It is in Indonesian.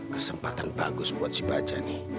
kesempatan bagus buat si baja nih